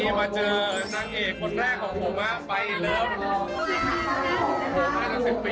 ใช่ไหมแล้วเจอแจกคำแรกคำว่าแต่งงานยังไง